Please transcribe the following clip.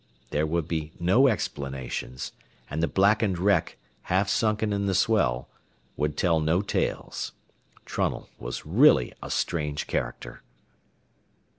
There would be no explanations, and the blackened wreck, half sunken in the swell, would tell no tales. Trunnell was really a strange character.